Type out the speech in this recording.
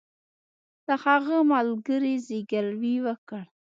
د هغه ملګري زګیروی وکړ